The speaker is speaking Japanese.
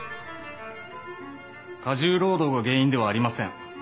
過重労働が原因ではありません。